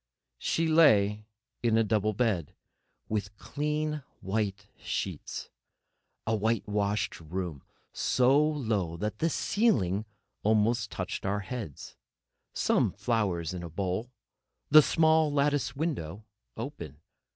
She lay in a double bed, with clean white sheets. A white washed room, so low that the ceiling almost touched our heads, some flowers in a bowl, the small lattice window open.